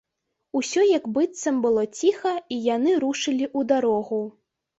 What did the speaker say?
Усё як быццам было ціха, і яны рушылі ў дарогу.